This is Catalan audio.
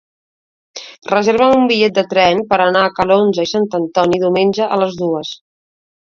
Reserva'm un bitllet de tren per anar a Calonge i Sant Antoni diumenge a les dues.